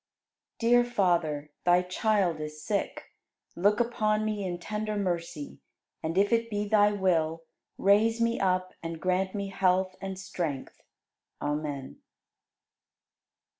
68. Dear Father, Thy child is sick. Look upon me in tender mercy, and if it be Thy will, raise me up and grant me health and strength. Amen.